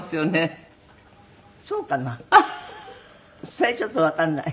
それちょっとわかんない。